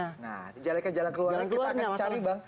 nah dicarikan jalan keluarnya kita akan cari bang